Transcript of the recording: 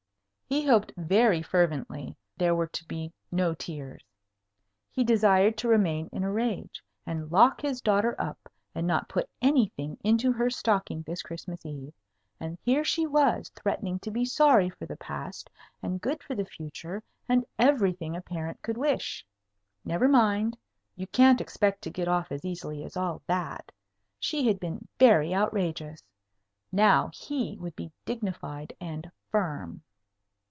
He hoped very fervently there were to be no tears. He desired to remain in a rage, and lock his daughter up, and not put anything into her stocking this Christmas Eve; and here she was, threatening to be sorry for the past, and good for the future, and everything a parent could wish. Never mind. You can't expect to get off as easily as all that. She had been very outrageous. Now he would be dignified and firm.